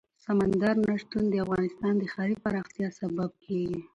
سمندر نه شتون د افغانستان د ښاري پراختیا سبب کېږي.